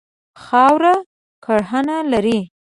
خاوره کرهڼه لري.